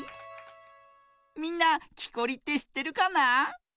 みんなきこりってしってるかな？